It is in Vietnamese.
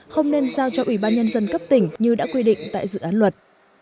không nên giao cho ủy ban nhân dân cấp tỉnh như đã quy định tại dự án luật